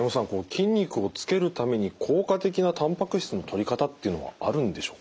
筋肉をつけるために効果的なたんぱく質のとり方っていうのはあるんでしょうか？